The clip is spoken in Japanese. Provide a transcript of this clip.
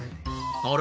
あれ？